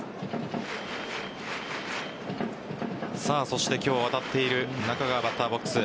そして今日当たっている中川バッターボックス。